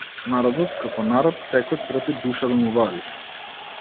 Народот како народ секој трпи душа да му вадиш.